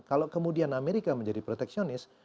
kalau kemudian amerika menjadi proteksionis